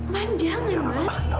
ma'am jangan pak